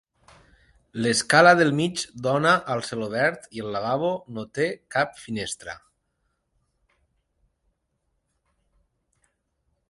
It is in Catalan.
L'escala del mig dona al celobert i el lavabo no té cap finestra.